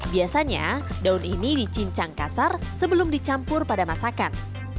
biasanya daun ini dicincang kasar sebelum dicampur pada masakan